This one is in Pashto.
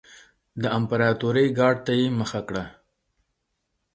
د امپراتورۍ ګارډ ته یې مخه کړه